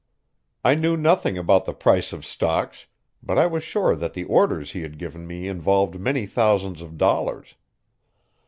I knew nothing about the price of stocks but I was sure that the orders he had given me involved many thousands of dollars.